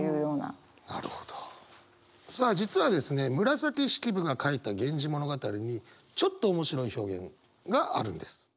紫式部が書いた「源氏物語」にちょっと面白い表現があるんです。